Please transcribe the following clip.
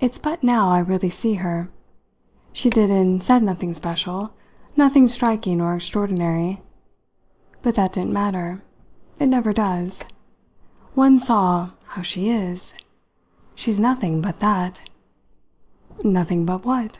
"It's but now I really see her. She did and said nothing special, nothing striking or extraordinary; but that didn't matter it never does: one saw how she is. She's nothing but that." "Nothing but what?"